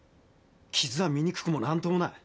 傷は醜くも何ともない。